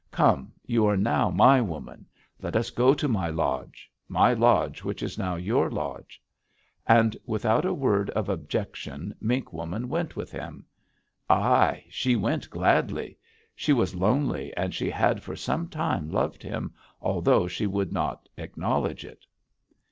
Come, you are now my woman. Let us go to my lodge, my lodge which is now your lodge.' "And without a word of objection Mink Woman went with him. Ai! She went gladly! She was lonely, and she had for some time loved him, although she would not acknowledge it.